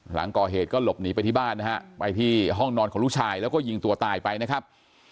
หลังก่อเหตุก็หลบหนีไปที่บ้านนะฮะไปที่ห้องนอนของลูกชายแล้วก็ยิงตัวตายไปนะครับ